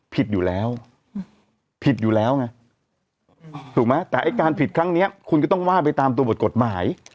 ผิดอยู่แล้วผิดอยู่แล้วไงถูกไหมแต่ไอ้การผิดครั้งนี้คุณก็ต้องว่าไปตามตัวบทกฎหมาย